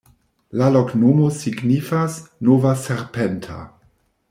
La loknomo signifas: nova-serpenta.